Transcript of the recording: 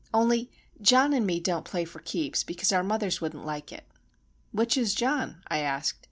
Only, John an' me don't play for keeps, because our mothers wouldn't like it." "Which is John?" I asked.